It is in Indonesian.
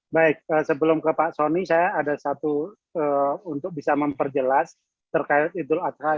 baik sebelum ke pak soni saya ada satu untuk bisa memperjelas terkait idul adha